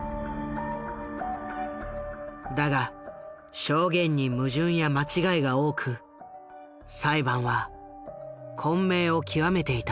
だが証言に矛盾や間違いが多く裁判は混迷を極めていた。